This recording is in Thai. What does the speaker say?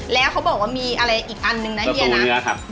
แล้วเขาบอกว่ามีอะไรอีกอันนึงนะเฮียนะเฮียครับ